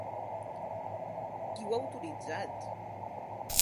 Qui ho ha autoritzat?